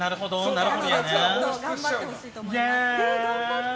なので頑張ってほしいと思います。